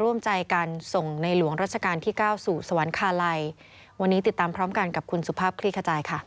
ร่วมใจกันส่งในหลวงรัชกาลที่เก้าสู่สวรรคาลัยวันนี้ติดตามพร้อมกันกับคุณสุภาพคลี่ขจายค่ะ